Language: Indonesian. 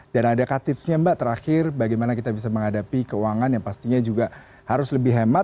dan adakah tipsnya mbak terakhir bagaimana kita bisa menghadapi keuangan yang pastinya juga harus lebih hemat